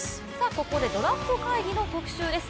ここでドラフト会議の特集です。